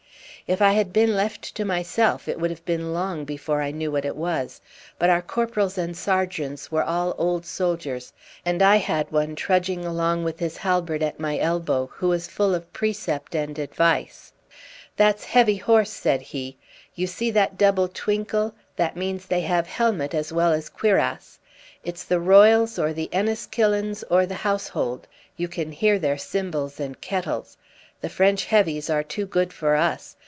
If I had been left to myself it would have been long before I knew what it was; but our corporals and sergeants were all old soldiers, and I had one trudging along with his halbert at my elbow, who was full of precept and advice. "That's heavy horse," said he. "You see that double twinkle? That means they have helmet as well as cuirass. It's the Royals, or the Enniskillens, or the Household. You can hear their cymbals and kettles. The French heavies are too good for us.